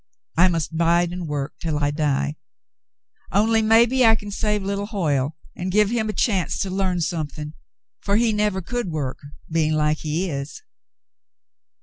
I must bide and work till I die ; only maybe I c^n save little Hoyle and give him a chance to learn something, for he never could work — being like he is."